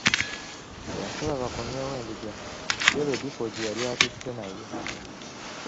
Yabasaba bakomyewo endiga ye, Lodipo gye yali atutte naye.